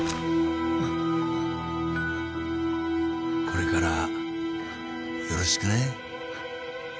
これからよろしくね。